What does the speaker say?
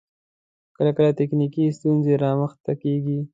کله کله تخنیکی ستونزې رامخته کیږی